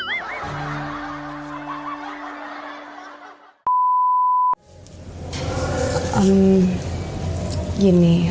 iya ah gue lupa lagi apa terakhir